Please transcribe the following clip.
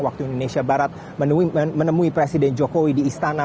waktu indonesia barat menemui presiden jokowi di istana